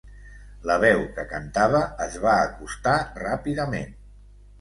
La veu que cantava es va acostar ràpidament.